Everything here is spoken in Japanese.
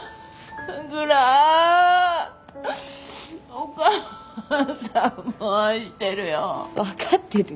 お母さんも愛してるよ。わかってるよ。